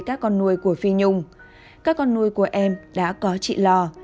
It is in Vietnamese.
các con nuôi của phi nhung đã có chị lò